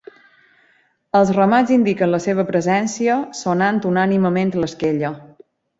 Els ramats indiquen la seva presència sonant unànimement l'esquella.